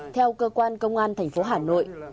theo cơ quan công an thành phố hà nội